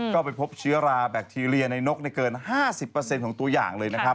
ก็ไปพบเชื้อราแบคทีเรียในนกในเกิน๕๐ของตัวอย่าง